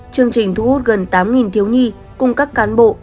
chương trình thu hút gần tám thiếu nhi cùng các cán bộ